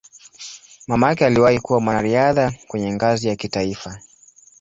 Mamake aliwahi kuwa mwanariadha kwenye ngazi ya kitaifa.